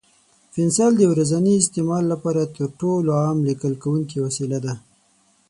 پنسل د ورځني استعمال لپاره تر ټولو عام لیکل کوونکی وسیله ده.